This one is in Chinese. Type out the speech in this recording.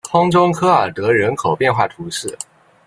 空中科尔德人口变化图示